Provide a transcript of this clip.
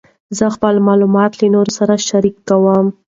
زه خپل معلومات له نورو سره شریکوم.